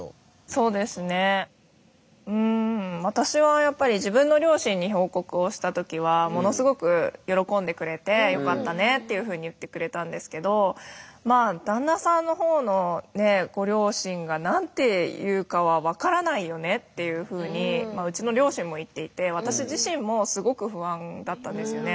そうですねうん私はやっぱり自分の両親に報告をした時はものすごく喜んでくれてよかったねっていうふうに言ってくれたんですけど分からないよねっていうふうにうちの両親も言っていて私自身もすごく不安だったんですよね。